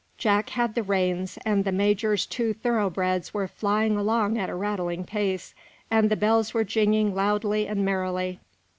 Jack had the reins, and the major's two thoroughbreds were flying along at a rattling pace, and the bells were jingling loudly and merrily.